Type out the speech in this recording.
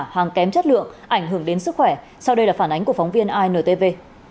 hàng kém chất lượng ảnh hưởng đến sức khỏe sau đây là phản ánh của phóng viên intv